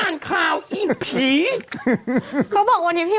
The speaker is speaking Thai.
เนี่ยมันแบกไงเนี่ย